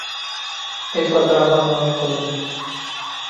Eso atrajo a nuevos colonos.